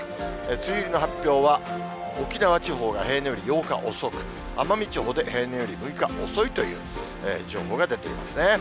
梅雨入りの発表は沖縄地方が平年より８日遅く、奄美地方で平年より６日遅いという情報が出ていますね。